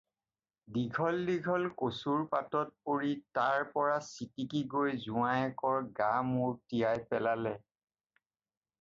দীঘল দীঘল কচুৰ পাতত পৰি তাৰ পৰা ছিটিকি গৈ জোঁৱায়েকৰ গা-মূৰ তিয়াই পেলালে।